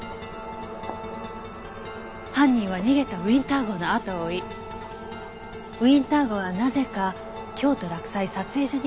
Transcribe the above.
犯人は逃げたウィンター号のあとを追いウィンター号はなぜか京都洛西撮影所に向かった。